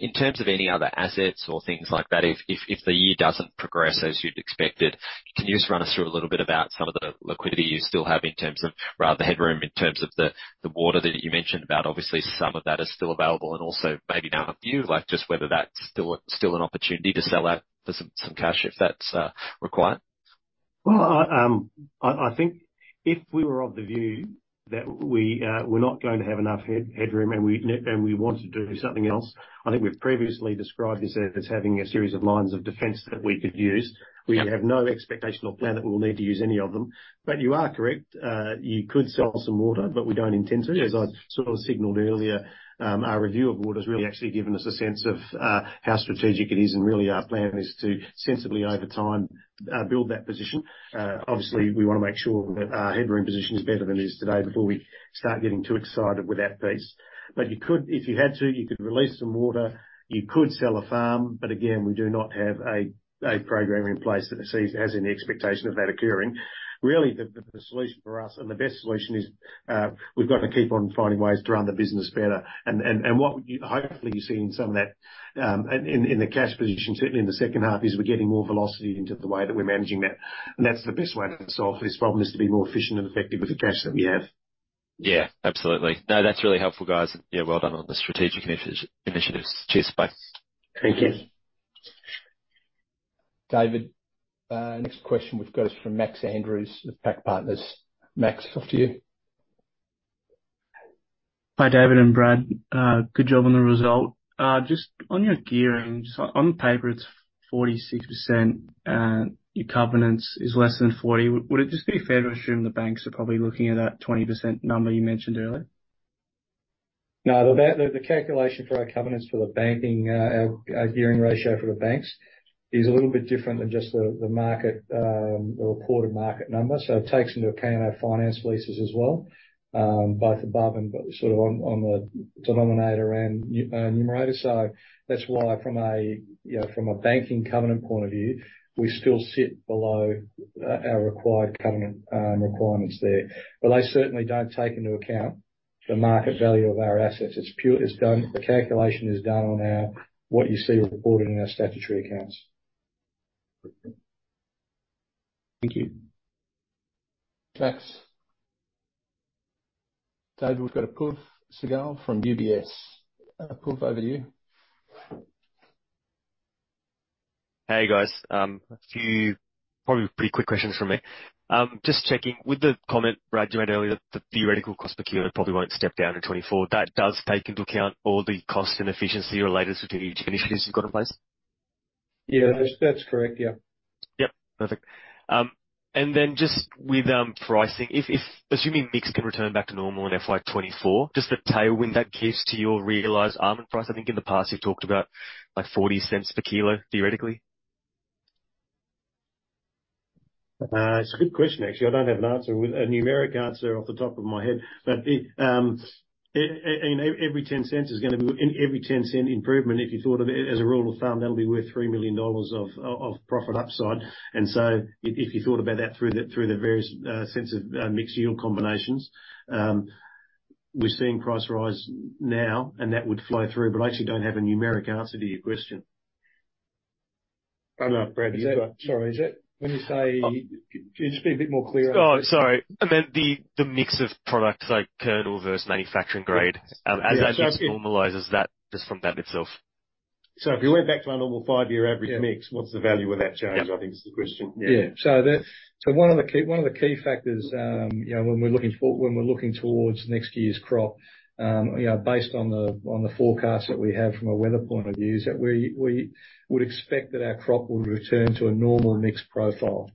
In terms of any other assets or things like that, if the year doesn't progress as you'd expected, can you just run us through a little bit about some of the liquidity you still have in terms of rather the headroom, in terms of the water that you mentioned about? Obviously, some of that is still available, and also maybe now, in view, like, just whether that's still an opportunity to sell out for some cash if that's required.
Well, I think if we were of the view that we're not going to have enough headroom, and we wanted to do something else, I think we've previously described this as having a series of lines of defense that we could use. We have no expectation or plan that we'll need to use any of them. But you are correct, you could sell some water, but we don't intend to. As I sort of signaled earlier, our review of water has really actually given us a sense of how strategic it is, and really our plan is to sensibly, over time, build that position. Obviously, we want to make sure that our headroom position is better than it is today before we start getting too excited with that piece. But you could, if you had to, you could release some water, you could sell a farm, but again, we do not have a program in place that has any expectation of that occurring. Really, the solution for us, and the best solution is, we've got to keep on finding ways to run the business better. And what you hopefully see in some of that, and in the cash position, certainly in the second half, is we're getting more velocity into the way that we're managing that. And that's the best way to solve this problem, is to be more efficient and effective with the cash that we have.
Yeah, absolutely. No, that's really helpful, guys. Yeah, well done on the strategic initiatives. Cheers, bye.
Thank you.
David, next question we've got is from Max Andrews of PAC Partners. Max, off to you.
Hi, David and Brad. Good job on the result. Just on your gearing, just on paper, it's 46%, your covenants is less than 40. Would it just be fair to assume the banks are probably looking at that 20% number you mentioned earlier?
No, the calculation for our covenants for the banking, our gearing ratio for the banks, is a little bit different than just the reported market number. So it takes into account our finance leases as well, both above and sort of on the denominator and numerator. So that's why from a, you know, from a banking covenant point of view, we still sit below our required covenant requirements there. But they certainly don't take into account the market value of our assets. It's done. The calculation is done on our, what you see reported in our statutory accounts.
Thank you.
Max, David, we've got Apoorv Sehgal from UBS. Apoorv, over to you.
Hey, guys. A few probably pretty quick questions from me. Just checking, with the comment, Brad, you made earlier, that the theoretical cost per kg probably won't step down in 2024. That does take into account all the cost and efficiency related to the initiatives you've got in place?
Yeah, that's, that's correct. Yeah.
Yep, perfect. And then just with pricing, if assuming mix can return back to normal in FY 2024, just the tailwind that gives to your realized almond price, I think in the past you've talked about, like, $0.40 per kg theoretically?
It's a good question, actually. I don't have a numeric answer off the top of my head, but every $0.10 is gonna be. In every $0.10 improvement, if you thought of it as a rule of thumb, that'll be worth $3 million of profit upside. And so if you thought about that through the various sense of mix yield combinations, we're seeing price rise now, and that would flow through, but I actually don't have a numeric answer to your question. I know, Brad, sorry, is that. When you say, can you just be a bit more clear?
Oh, sorry. I meant the mix of products like kernel versus manufacturing grade, as that just normalizes that, just from that itself.
If you went back to a normal five-year average mix, what's the value of that change? I think is the question.
Yeah. So one of the key, one of the key factors, you know, when we're looking towards next year's crop, you know, based on the forecast that we have from a weather point of view, is that we, we would expect that our crop will return to a normal mix profile.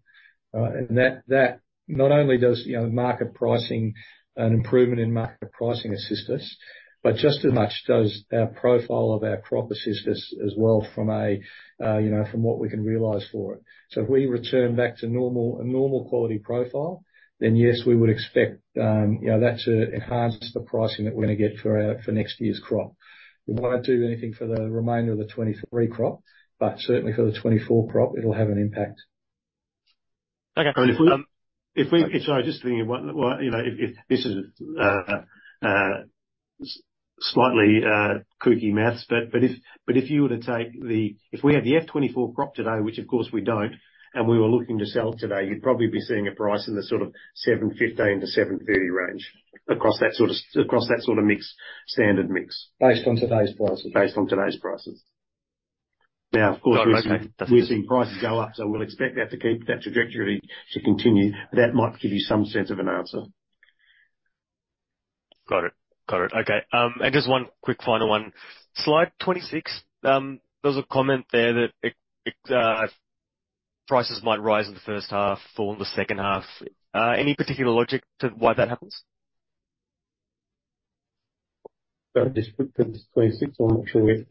And that, that not only does, you know, market pricing, an improvement in market pricing assist us, but just as much does our profile of our crop assist us as well from a, you know, from what we can realize for it. So if we return back to normal, a normal quality profile, then yes, we would expect, you know, that to enhance the pricing that we're gonna get for our- for next year's crop. It won't do anything for the remainder of the 2023 crop, but certainly for the 2024 crop, it'll have an impact. Okay, if we, so I'm just thinking, what, you know, if this is slightly kooky math, but if you were to take the. If we had the FY 2024 crop today, which of course we don't, and we were looking to sell today, you'd probably be seeing a price in the sort of $7.15-$7.30 range across that sort of mix, standard mix.
Based on today's prices?
Based on today's prices. Now, of course, we've seen prices go up, so we'll expect that to keep that trajectory to continue. That might give you some sense of an answer.
Got it. Got it. Okay, and just one quick final one. Slide 26, there was a comment there that prices might rise in the first half, fall in the second half. Any particular logic to why that happens?
Just put 26, I'm not sure where,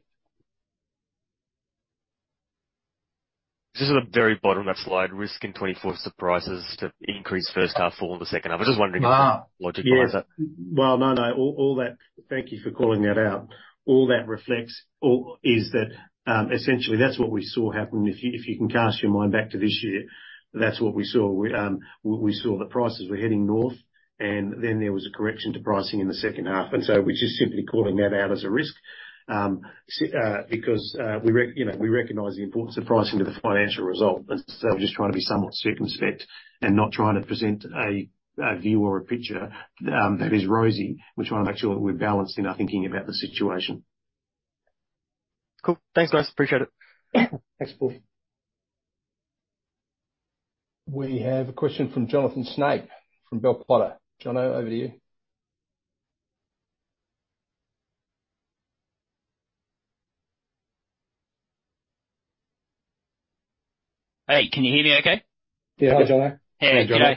Just at the very bottom of that slide, risk in 2024 surprises to increase first half, fall in the second half. I'm just wondering.
Ah!
If there's logic behind that.
Well, no, no. All that. Thank you for calling that out. All that reflects, or, is that essentially, that's what we saw happen. If you, if you can cast your mind back to this year, that's what we saw. We saw the prices were heading north, and then there was a correction to pricing in the second half. And so we're just simply calling that out as a risk. Because, you know, we recognize the importance of pricing to the financial result, and so we're just trying to be somewhat circumspect and not trying to present a view or a picture that is rosy. We're trying to make sure that we're balanced in our thinking about the situation.
Cool. Thanks, guys. Appreciate it.
Thanks, Paul.
We have a question from Jonathan Snape, from Bell Potter. Johno, over to you.
Hey, can you hear me okay?
Yeah. Hi, Johno.
Hey, Johno.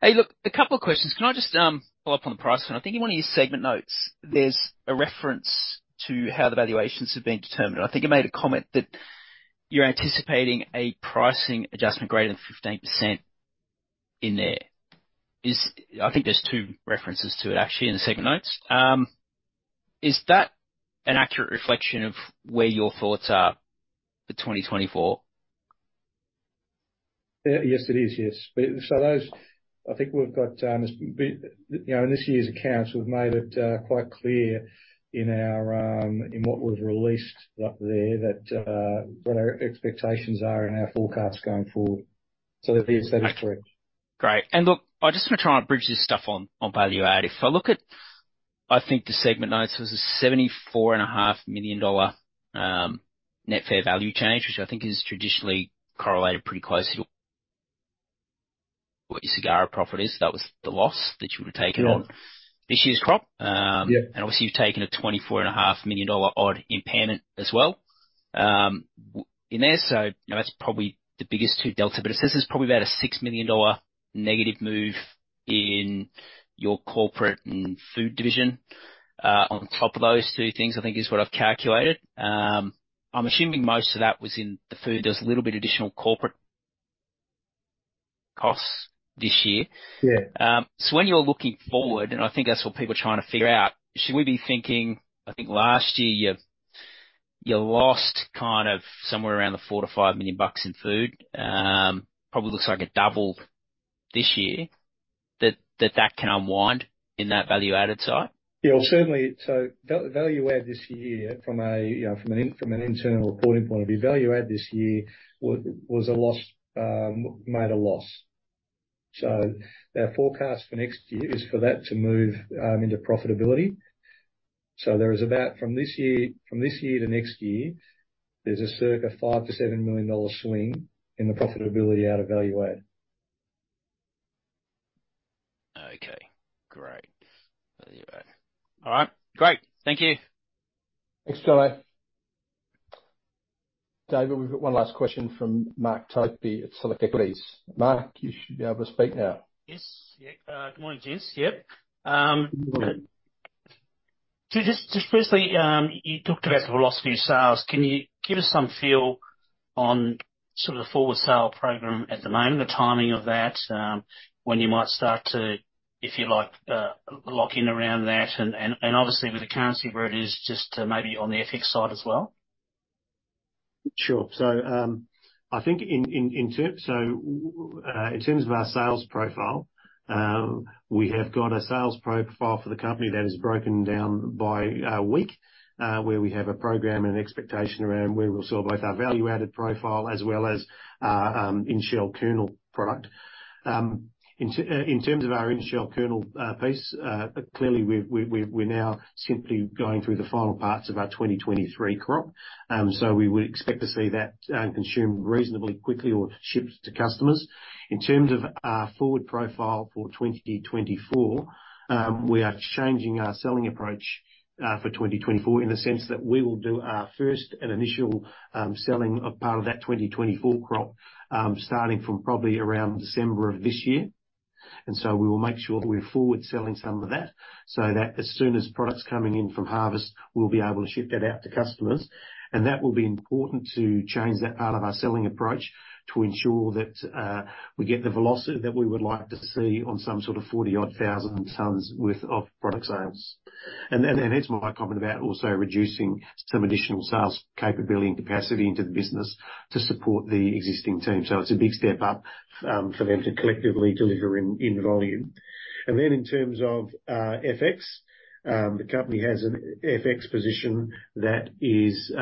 Hey, look, a couple of questions. Can I just follow up on the price one? I think in one of your segment notes, there's a reference to how the valuations have been determined, and I think you made a comment that you're anticipating a pricing adjustment greater than 15% in there. I think there's two references to it, actually, in the segment notes. Is that an accurate reflection of where your thoughts are for 2024?
Yes, it is. Yes. But so those, I think we've got you know, in this year's accounts, we've made it quite clear in our in what was released up there, that what our expectations are and our forecasts going forward. So, yes, that is correct.
Great. And look, I just want to try and bridge this stuff on, on value add. If I look at, I think the segment notes, there's a $74.5 million net fair value change, which I think is traditionally correlated pretty closely to what your core profit is. That was the loss that you would have taken on.
Yeah.
This year's crop.
Yeah.
And obviously, you've taken a $24.5 million odd impairment as well, in there, so you know, that's probably the biggest two delta. But it says there's probably about a $6 million negative move in your corporate and food division. On top of those two things, I think is what I've calculated. I'm assuming most of that was in the food. There's a little bit additional corporate costs this year.
Yeah.
So when you're looking forward, and I think that's what people are trying to figure out, should we be thinking. I think last year you lost kind of somewhere around $4 million-$5 million in food. Probably looks like it doubled this year. That can unwind in that value-added side?
Yeah, well, certainly. So value add this year, from a, you know, from an internal reporting point of view, value add this year was a loss, made a loss. So our forecast for next year is for that to move into profitability. So there is about, from this year to next year, there's a circa $5 million-$7 million swing in the profitability out of value add.
Okay, great. There you go. All right, great. Thank you.
Thanks, Johno. David, we've got one last question from Mark Topy at Select Equities. Mark, you should be able to speak now.
Yes. Yeah, good morning, gents. Yep, so just firstly, you talked about the velocity of sales. Can you give us some feel on sort of the forward sale program at the moment, the timing of that, when you might start to, if you like, lock in around that? And obviously with the currency where it is, just maybe on the FX side as well.
Sure. So, I think in terms of our sales profile, we have got a sales profile for the company that is broken down by week, where we have a program and expectation around where we'll sell both our value-added profile as well as in-shell kernel product. In terms of our in-shell kernel piece, clearly, we're now simply going through the final parts of our 2023 crop. So we would expect to see that consumed reasonably quickly or shipped to customers. In terms of our forward profile for 2024, we are changing our selling approach for 2024, in the sense that we will do our first and initial selling of part of that 2024 crop, starting from probably around December of this year. And so we will make sure that we're forward-selling some of that, so that as soon as product's coming in from harvest, we'll be able to ship that out to customers. And that will be important to change that part of our selling approach to ensure that we get the velocity that we would like to see on some sort of 40-odd thousand tons worth of product sales. And then, and hence my comment about also reducing some additional sales capability and capacity into the business to support the existing team. It's a big step up for them to collectively deliver in volume. And then, in terms of FX, the company has an FX position that is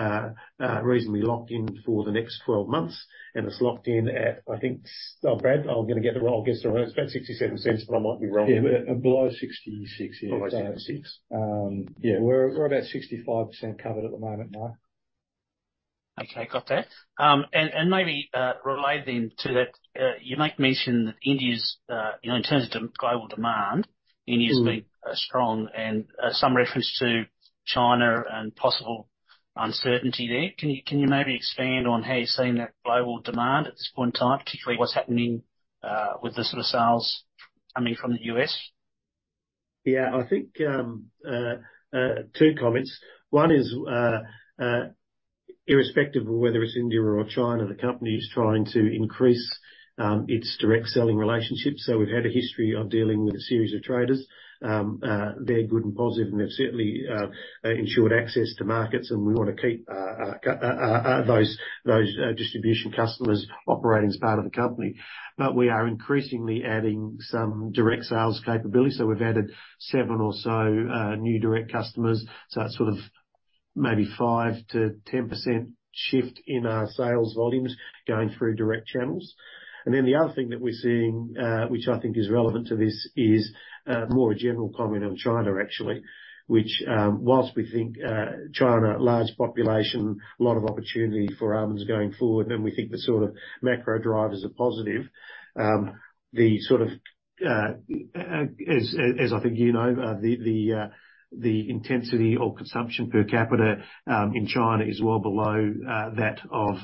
reasonably locked in for the next 12 months, and it's locked in at, I think, oh, Brad, I'm gonna get the wrong, guess around. It's about $0.67, but I might be wrong.
Yeah, below 66, yeah.
Below sixty-six.
Yeah, we're about 65% covered at the moment, now.
Okay, got that. And maybe relate then to that, you make mention that India's, you know, in terms of global demand, India's been strong and some reference to China and possible uncertainty there. Can you maybe expand on how you're seeing that global demand at this point in time, particularly what's happening with the sort of sales coming from the US?
Yeah, I think, two comments. One is, irrespective of whether it's India or China, the company is trying to increase, its direct selling relationships. So we've had a history of dealing with a series of traders. They're good and positive, and they've certainly, ensured access to markets, and we want to keep, those distribution customers operating as part of the company. But we are increasingly adding some direct sales capability, so we've added 7 or so, new direct customers. So that's sort of maybe 5%-10% shift in our sales volumes going through direct channels. And then the other thing that we're seeing, which I think is relevant to this, is, more a general comment on China, actually. Which, whilst we think, China, large population, a lot of opportunity for almonds going forward, and we think the sort of macro drivers are positive. The sort of, as I think you know, the intensity or consumption per capita in China is well below that of,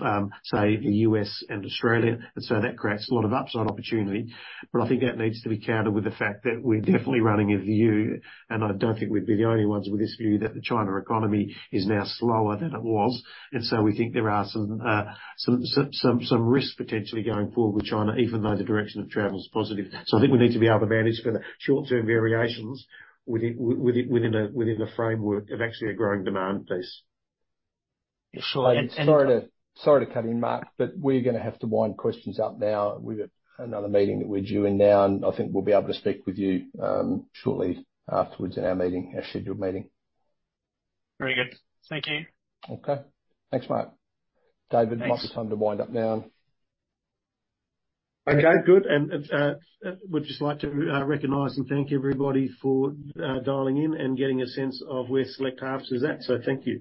say, the U.S. and Australia. And so that creates a lot of upside opportunity. But I think that needs to be countered with the fact that we're definitely running a view, and I don't think we'd be the only ones with this view, that the China economy is now slower than it was. And so we think there are some risk potentially going forward with China, even though the direction of travel is positive. I think we need to be able to manage for the short-term variations within the framework of actually a growing demand base.
Sure. And
Sorry to, sorry to cut in, Mark, but we're gonna have to wind questions up now. We've got another meeting that we're due in now, and I think we'll be able to speak with you, shortly afterwards in our meeting, our scheduled meeting.
Very good. Thank you.
Okay. Thanks, Mark.
Thanks.
David, might be time to wind up now.
Okay, good. And, and, we'd just like to recognize and thank everybody for dialing in and getting a sense of where Select Harvests is at. So thank you.